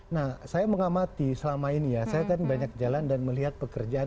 nah saya mengamati selama ini ya saya kan banyak jalan dan melihat pekerjaan